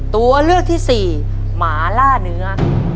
ตัวเลือกที่สี่หมาล่าเนื้อ